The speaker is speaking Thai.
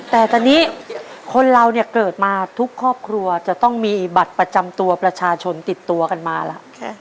แต่ตอนนี้คนเราเนี่ยเกิดมาทุกครอบครัวจะต้องมีบัตรประจำตัวประชาชนติดตัวกันมาแล้ว